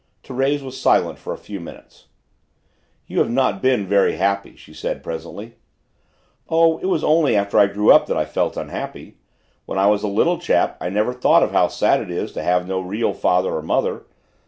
Thérèse was silent for a few minutes. "You have not been very happy," she said presently. "Oh, it was only after I grew up that I felt unhappy. When I was a little chap I never thought of how sad it is to have no real father or mother.